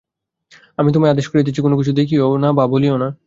আমি তোমায় আদেশ করিতেছি, কোন কিছু দেখিও না বা বলিও না।